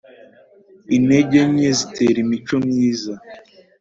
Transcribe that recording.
Intege nke zitera imico myiza.